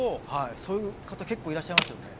そういう方結構いらっしゃいますよね。